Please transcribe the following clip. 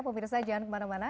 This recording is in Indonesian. pemirsa jangan kemana mana